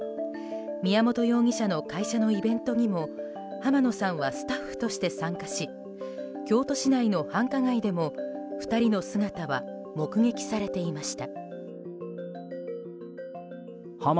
宮本容疑者の会社のイベントにも浜野さんはスタッフとして参加し京都市内の繁華街でも２人の姿は目撃されていました。